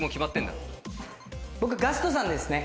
僕ガストさんですね。